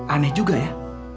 aneh juga ya